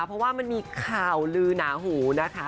เพราะว่ามันมีข่าวลือหนาหูนะคะ